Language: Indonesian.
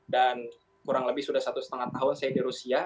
dan kurang lebih sudah satu setengah tahun saya di rusia